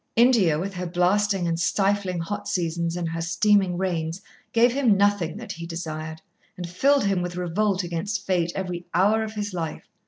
India with her blasting and stifling hot seasons and her steaming rains gave him nothing that he desired, and filled him with revolt against Fate every hour of his life.